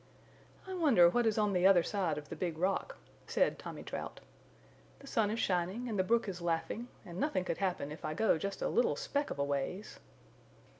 "I wonder what is on the other side of the Big Rock," said Tommy Trout. "The sun is shining and the brook is laughing and nothing could happen if I go just a little speck of a ways."